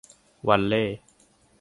วัลเล่ย์